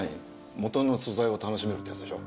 元の素材を楽しめるってやつでしょ？